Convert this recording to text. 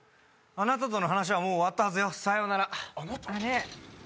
あなたとの話はもう終わったはずよさようならあなた？